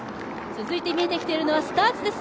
続いて見えてきているのはスターツです。